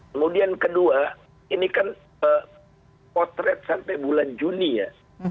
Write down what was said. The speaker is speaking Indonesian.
kemudian kedua ini kan potret sampai bulan juni ya